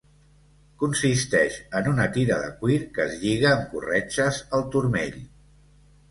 Consisteix en una tira de cuir que es lliga amb corretges al turmell.